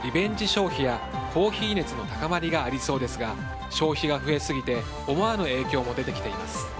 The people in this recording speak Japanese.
消費やコーヒー熱の高まりがありそうですが消費が増えすぎて思わぬ影響も出てきています。